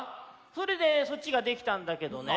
それでそっちができたんだけどね。